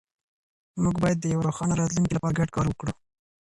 موږ باید د یو روښانه راتلونکي لپاره ګډ کار وکړو.